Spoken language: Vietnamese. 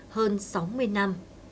hơn sáu mươi năm